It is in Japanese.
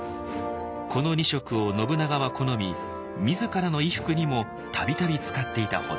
この２色を信長は好み自らの衣服にも度々使っていたほど。